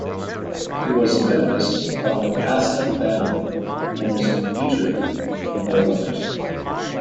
It was a benefice of the Paston family and is featured in their letters.